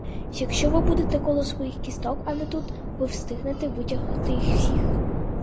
Якщо ви будете коло своїх кісток, а не тут, ви встигнете витягти їх усі.